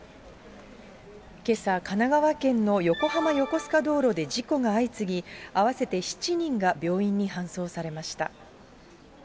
けさ、神奈川県の横浜横須賀道路で事故が相次ぎ、合わせて７人が病院に搬送されました。